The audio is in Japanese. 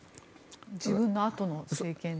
自分のあとの政権に。